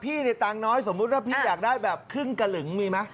คือตรังน้อยสมมุติถ้าพี่อยากได้แบบครึ่งกะลึงมีมะ